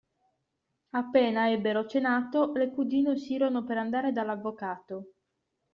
Appena ebbero cenato, le cugine uscirono per andare dall'avvocato.